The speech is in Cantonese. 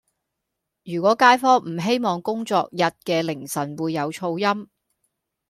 如果街坊唔希望工作日嘅凌晨會有噪音